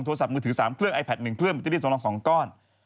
โทรศัพท์มือถือ๓เครื่องไอแพท๑เครื่องแบตเตอรี่สำรอง๒ก้อน